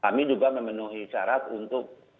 kami juga memenuhi syarat untuk